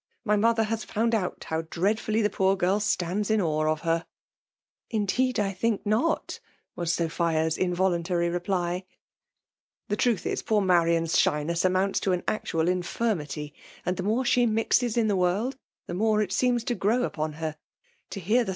. My mother 'haa fimhd oat how dreadfully the poor girl stands in awe' of her." '5 Ittdeed, I think not," was Sophia's invo IttBtitry reply < tfrThe ttfuth is, that poor Marian's shyness amounts to an actual infirmity ; and themoto 1^ ntxeil'in the world, the more it seelns to glte#* trpQir her. To hear. the.